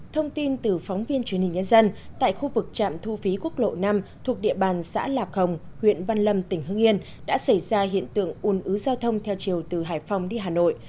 thông tin từ phóng viên truyền hình nhân dân tại khu vực trạm thu phí quốc lộ năm thuộc địa bàn xã lạc hồng huyện văn lâm tỉnh hưng yên đã xảy ra hiện tượng ồn ứ giao thông theo chiều từ hải phòng đi hà nội